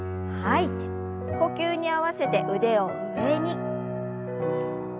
呼吸に合わせて腕を上に。